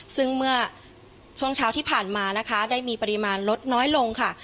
ซึ่งเมื่อช่วงเช้าที่ผ่านมานะคะได้มีปริมาณลดน้อยลงค่ะ